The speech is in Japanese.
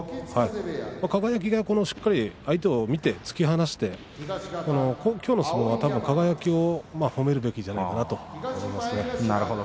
輝がしっかり相手を見て突き放してきょうの相撲は輝を褒めるべきじゃないかなとなるほど。